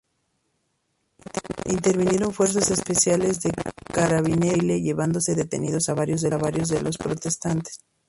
Intervinieron fuerzas especiales de Carabineros de Chile, llevándose detenidos a varios de los protestantes.